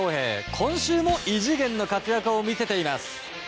今週も異次元の活躍を見せています。